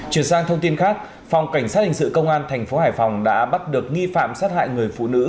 chuyển sang thông tin khác phòng cảnh sát hình sự công an thành phố hải phòng đã bắt được nghi phạm sát hại người phụ nữ